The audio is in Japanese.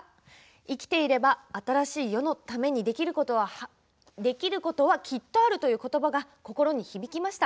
生きていれば、新しい世のためにできることはきっとあるということばが心に響きました。